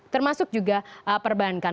termasuk juga perbankan